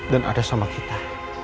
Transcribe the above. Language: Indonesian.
dan ada sama kita